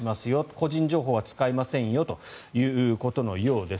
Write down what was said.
個人情報は使いませんよということのようです。